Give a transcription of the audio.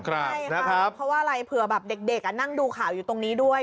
ใช่ครับเพราะว่าอะไรเผื่อแบบเด็กนั่งดูข่าวอยู่ตรงนี้ด้วย